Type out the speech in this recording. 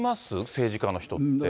政治家の人って。